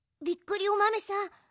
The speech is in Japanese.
びっくりおまめさん